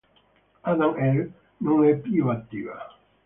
Adam Air non è più attiva.